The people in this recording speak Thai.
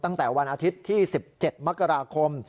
ตั้งแต่วันอาทิตย์ที่๑๗มกราคม